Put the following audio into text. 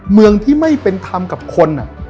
เมืองที่ไม่เป็นธรรมกับคน